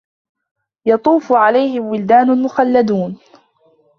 يَطوفُ عَلَيهِم وِلدانٌ مُخَلَّدونَ